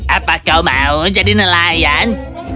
apa kau mau jadi nelayan